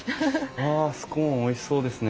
わあスコーンおいしそうですね。